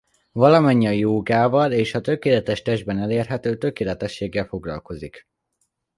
Valamennyi a jógával és a tökéletes testben elérhető tökéletességgel foglalkozik.